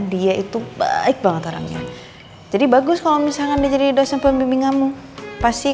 dia itu baik banget orangnya jadi bagus kalau misalkan dia jadi dosen pembimbingamu pasti